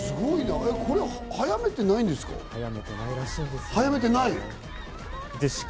これ早めていないですか？